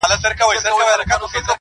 o اور ته وچ او لانده يو دي.